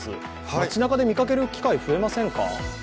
街なかで見かける機会増えませんか？